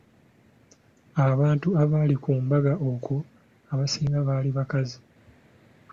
Abantu abaali ku mbaga okwo abasinga baali bakazi.